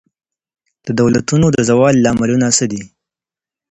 د دولتونو د زوال لاملونه څه دي؟